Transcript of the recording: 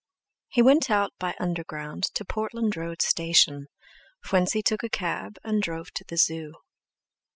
He went out by Underground to Portland Road Station, whence he took a cab and drove to the Zoo.